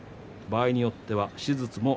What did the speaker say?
場合によっては手術も